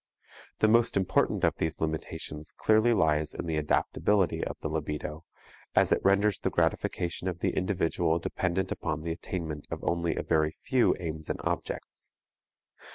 The most important of these limitations clearly lies in the adaptability of the libido, as it renders the gratification of the individual dependent upon the attainment of only a very few aims and objects.